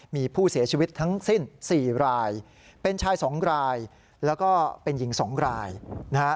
มีผู้เสียชีวิตทั้งสิ้น๔รายเป็นชาย๒รายแล้วก็เป็นหญิง๒รายนะฮะ